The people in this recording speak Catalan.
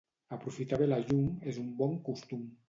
Aprofitar bé la llum és un bon costum.